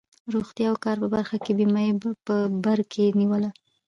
روغتیا او کار په برخه کې بیمه یې په بر کې نیوله.